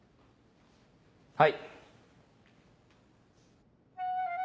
はい！